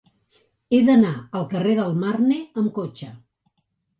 He d'anar al carrer del Marne amb cotxe.